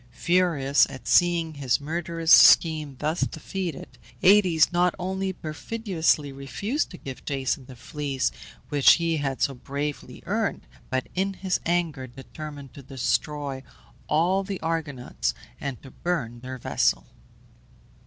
Furious at seeing his murderous schemes thus defeated, Aëtes not only perfidiously refused to give Jason the Fleece which he had so bravely earned, but, in his anger, determined to destroy all the Argonauts, and to burn their vessel.